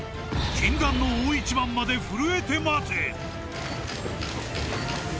［禁断の大一番まで震えて待て！］